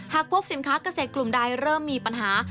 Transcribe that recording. หากพบสินค้าเกษตรกลุ่มใดเริ่มมีปัญหา